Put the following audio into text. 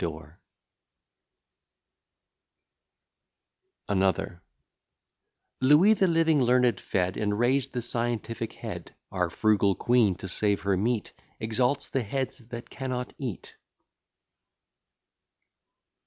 B._] ANOTHER Louis the living learned fed, And raised the scientific head; Our frugal queen, to save her meat, Exalts the heads that cannot eat.